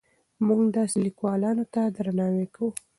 موږ داسې لیکوالانو ته درناوی کوو.